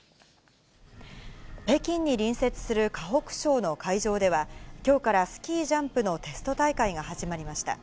北京に隣接する河北省の会場では、きょうからスキージャンプのテスト大会が始まりました。